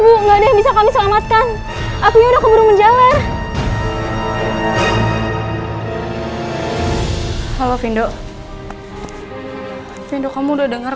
kok nggak ada yang bisa kami selamatkan api udah keburu menjalan halo findo findo kamu udah dengar